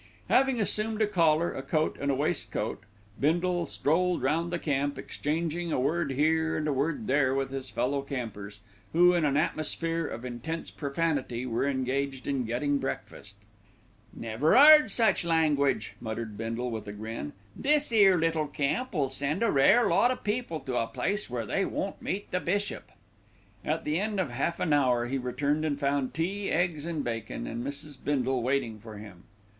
Having assumed a collar, a coat and waistcoat, Bindle strolled round the camp exchanging a word here and a word there with his fellow campers, who, in an atmosphere of intense profanity, were engaged in getting breakfast. "Never 'eard such language," muttered Bindle with a grin. "This 'ere little camp'll send a rare lot o' people to a place where they won't meet the bishop." At the end of half an hour he returned and found tea, eggs and bacon, and Mrs. Bindle waiting for him.